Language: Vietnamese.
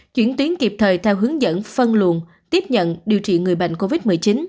chuyển tuyến kịp thời theo hướng dẫn phân luồn tiếp nhận điều trị người bệnh covid một mươi chín